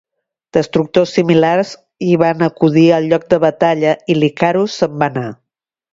Destructors similars i van acudir al lloc de batalla i l'Icarus se'n va anar.